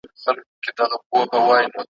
توروسترګو یې په نیغ نظر زخمي کړم.